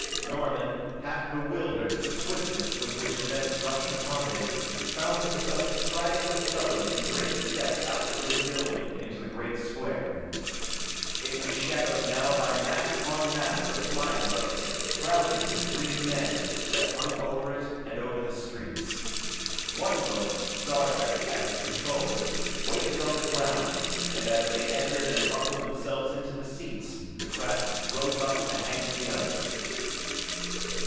Norman, half bewildered at the swiftness with which events rushed upon him, found himself striding with Fellows in great steps out through the building into the great square. It was shadowed now by mass on mass of flying boats, crowded with green men, that hung over it and over the streets. One boat, Sarja at its controls, waited on the ground and as they entered and buckled themselves into the seats the craft drove up to hang with the others.